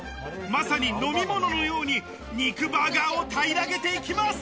まさに飲み物のように、肉バーガーを平らげていきます。